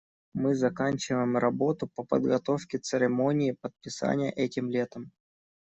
Мы заканчиваем работу по подготовке церемонии подписания этим летом.